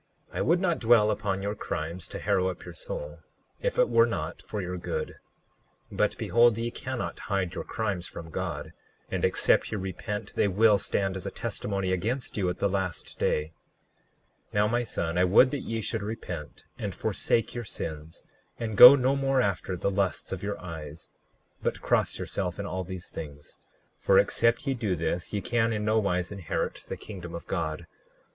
I would not dwell upon your crimes, to harrow up your soul, if it were not for your good. 39:8 But behold, ye cannot hide your crimes from God; and except ye repent they will stand as a testimony against you at the last day. 39:9 Now my son, I would that ye should repent and forsake your sins, and go no more after the lusts of your eyes, but cross yourself in all these things; for except ye do this ye can in nowise inherit the kingdom of God.